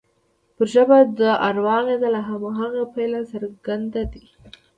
پر ژبه د اروا اغېز له هماغه پیله څرګند دی